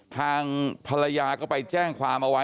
ทางภรรยาก็ไปแจ้งความเอาไว้